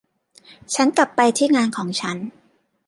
ฉันกลับไปที่งานของฉัน